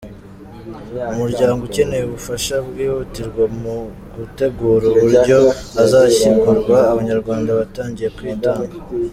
Umuryango ukeneye ubufasha bwihutirwa mu gutegura uburyo azashyingurwa, Abanyarwanda batangiye kwitanga.